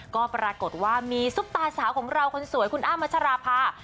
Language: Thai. ก็ปรากฏว่ามีซุปตาสาวของเราคนสวยคุณอ้ำมัชราภา